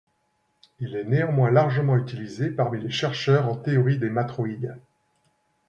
Il est néanmoins largement utilisé parmi les chercheurs en théorie des matroïdes.